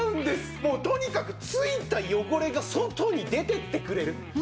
もうとにかく付いた汚れが外に出てってくれる。